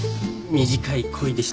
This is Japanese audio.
短い恋でした。